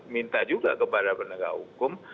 minta juga kepada penegak hukum